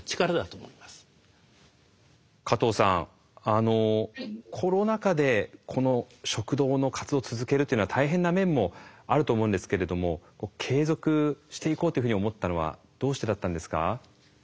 加藤さんコロナ禍でこの食堂の活動を続けるっていうのは大変な面もあると思うんですけれども継続していこうというふうに思ったのはどうしてだったんですか？